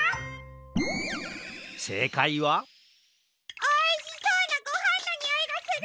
せいかいはおいしそうなごはんのにおいがする！